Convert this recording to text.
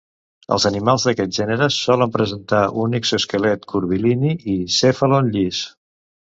Els animals d’aquest gènere solen presentar un exoesquelet curvilini i el cèfalon llis.